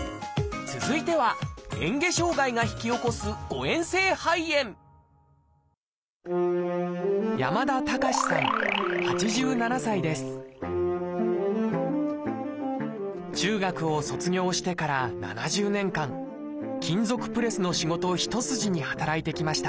続いてはえん下障害が引き起こす中学を卒業してから７０年間金属プレスの仕事一筋に働いてきました。